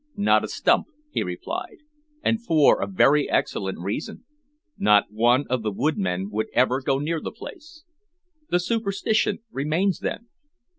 "Not a stump," he replied, "and for a very excellent reason. Not one of the woodmen would ever go near the place." "The superstition remains then?"